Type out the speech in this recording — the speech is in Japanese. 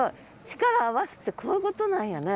力を合わすってこういうことなんやね。